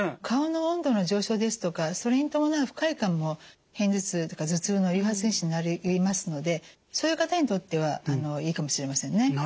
顔の温度の上昇ですとかそれに伴う不快感も片頭痛とか頭痛の誘発因子になりえますのでそういう方にとってはいいかもしれませんね。